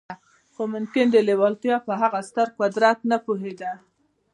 خو ممکن د لېوالتیا پر هغه ستر قدرت نه پوهېده